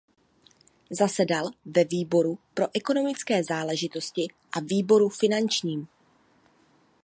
Zasedal ve výboru pro ekonomické záležitosti a výboru finančním.